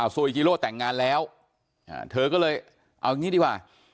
ซูอิจิโร่แต่งงานแล้วเธอก็เลยเอาอย่างนี้ดีกว่า